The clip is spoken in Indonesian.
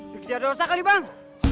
dikjadah dosa kali bang